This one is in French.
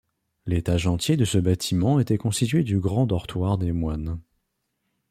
L'étage entier de ce bâtiment était constitué du grand dortoir des moines.